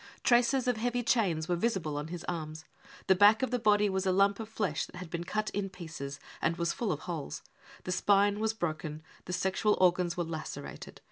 Traces of heavy chains were visible on Ms arms. The back of the body was a lump of flesh that had been cut in pieces and was full of holes. The spine was broken. The sexual organs were lacerated.